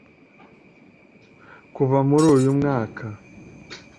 Kuva muri uyu mwaka